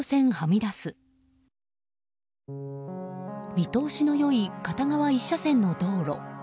見通しの良い片側１車線の道路。